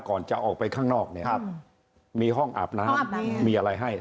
ก่อนจะออกไปข้างนอกเนี่ยมีห้องอาบน้ำมีอะไรให้